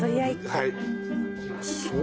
はい。